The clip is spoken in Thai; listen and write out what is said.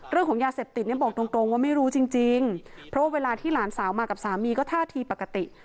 เรื่องของยาเสพติดเนี่ยบอกตรงตรงว่าไม่รู้จริงจริงเพราะเวลาที่หลานสาวมากับสามีก็ท่าทีปกติ